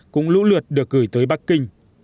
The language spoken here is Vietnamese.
cũng lũ lượt được gửi tới bắc kinh